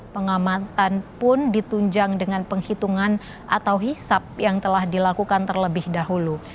pengamatan pun ditunjang dengan penghitungan atau hisap yang telah dilakukan terlebih dahulu